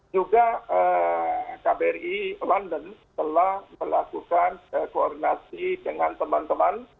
juga kbri london telah melakukan koordinasi dengan teman teman